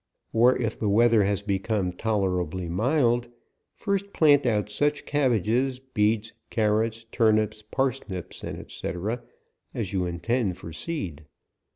Or if the weather has become tolerably mild, first plant out such cabbages, beets, carrots, turnips, parsnips, &c. as you intend for seed.